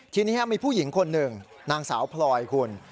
ทีนี้มีผู้หญิงคนหนึ่งนางสาวพลอยคุณ